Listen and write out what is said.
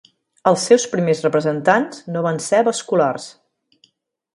Els seus primers representants no van ser vasculars.